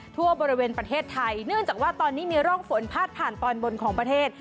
ทั่วบริเวณประเทศไทยเนื่องจากว่าตอนนี้มีร่องฝนพาดผ่านตอนบนของประเทศ